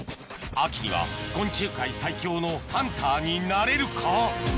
秋には昆虫界最強のハンターになれるか？